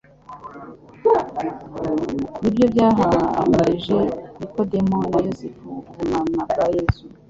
ni byo byahamirije Nikodemu na Yosefu ubumana bwa Yesu.